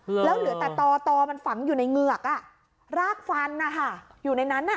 แล้วเหลือแต่ต่อมันฝังอยู่ในเหงือกอ่ะรากฟันอ่ะค่ะอยู่ในนั้นอ่ะ